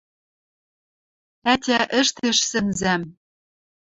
Ӓтя ӹштеш сӹнзӓм —